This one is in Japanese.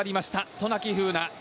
渡名喜風南。